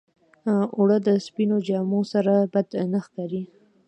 اوړه د سپينو جامو سره بد نه ښکارېږي